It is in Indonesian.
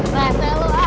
rantai lo ah